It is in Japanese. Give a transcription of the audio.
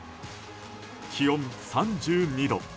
気温３２度。